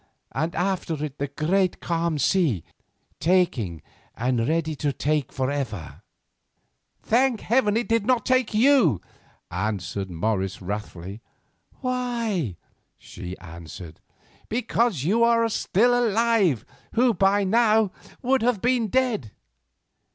And after it the great calm sea, taking and ready to take for ever." "Thank Heaven that it did not take you," answered Morris wrathfully. "Why?" she answered. "Because you are still alive, who by now would have been dead."